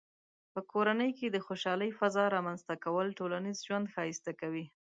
په کورنۍ کې د خوشحالۍ فضاء رامنځته کول ټولنیز ژوند ښایسته کوي.